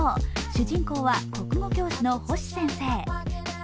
主人公は国語教師の星先生。